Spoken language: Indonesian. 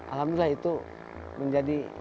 alhamdulillah itu menjadi